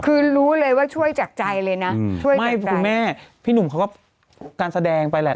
คือรู้เลยว่าช่วยจากใจเลยนะช่วยไม่คุณแม่พี่หนุ่มเขาก็การแสดงไปแหละ